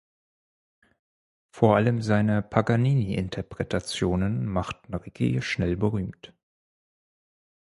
Vor allem seine Paganini-Interpretationen machten Ricci schnell berühmt.